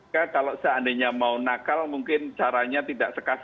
kalau seandainya mau nakal mungkin caranya tidak sekasar